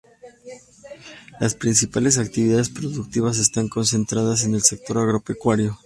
Las principales actividades productivas están concentradas en el sector agropecuario.